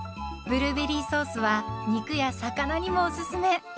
ブルーベリーソースは肉や魚にもおすすめ。